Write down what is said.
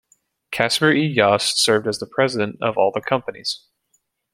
Casper E. Yost served as the president of all the companies.